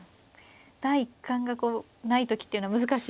第一感がない時っていうのは難しい。